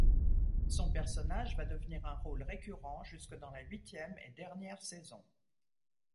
Son personnage va devenir un rôle récurrent jusque dans la huitième et dernière saison.